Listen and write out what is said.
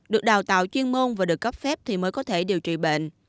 được đào tạo chuyên môn và được cấp phép thì mới có thể điều trị bệnh